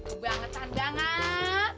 udah ngetan banget